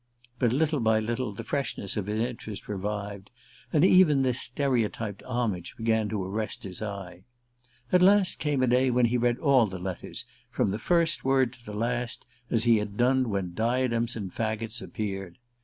But little by little the freshness of his interest revived, and even this stereotyped homage began to arrest his eye. At last a day came when he read all the letters, from the first word to the last, as he had done when "Diadems and Faggots" appeared.